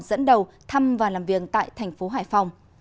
dẫn đầu thăm và làm việc tại thành phố hải phòng